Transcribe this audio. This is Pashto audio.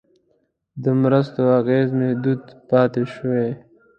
د مرستو اغېز محدود پاتې شوی.